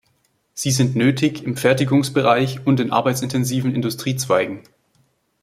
Sie sind nötig im Fertigungsbereich und in arbeitsintensiven Industriezweigen.